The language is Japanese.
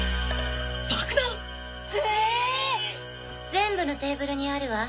全部のテーブルにあるわ。